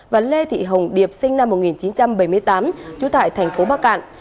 và lê thị hồng điệp sinh năm một nghìn chín trăm bảy mươi tám trú tại thành phố bắc cạn